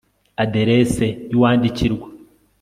aderese y'uwandikirwa